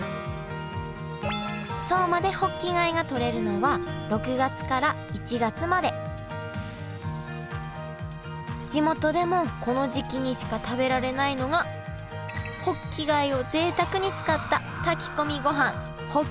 相馬で地元でもこの時期にしか食べられないのがホッキ貝をぜいたくに使った炊き込みごはん